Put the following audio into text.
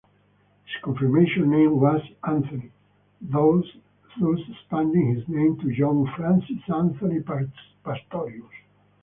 His confirmation name was Anthony, thus expanding his name to John Francis Anthony Pastorius.